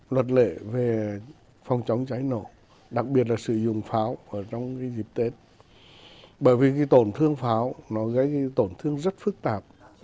luật lệ về phòng chống trái nổ đặc biệt là sử dụng pháo trong dịp tết bởi vì tổn thương pháo gây tổn thương rất phức tạp